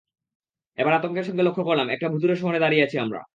এবার আতঙ্কের সঙ্গে লক্ষ্য করলাম একটা ভুতুড়ে শহরে দাঁড়িয়ে আছি আমি।